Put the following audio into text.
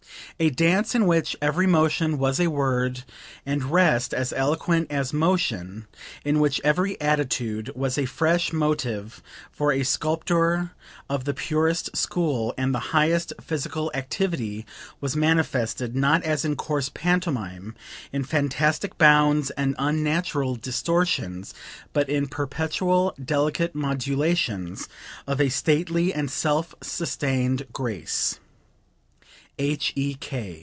"A dance in which every motion was a word, and rest as eloquent as motion; in which every attitude was a fresh motive for a sculptor of the purest school, and the highest physical activity was manifested, not as in coarse pantomime, in fantastic bounds and unnatural distortions, but in perpetual delicate modulations of a stately and self sustained grace." H.E.K.]) 3.